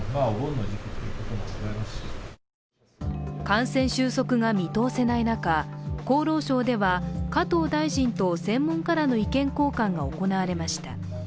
感染収束が見通せない中、厚労省では加藤大臣と専門家らの意見交換が行われました。